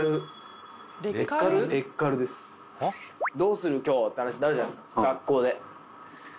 レッカル？って話になるじゃないですか学校で。